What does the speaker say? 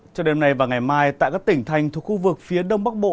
trong đêm nay và ngày mai tại các tỉnh thành thuộc khu vực phía đông bắc bộ